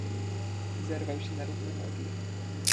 Zerwał się na równe nogi.